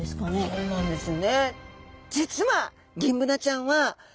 そうなんですよ。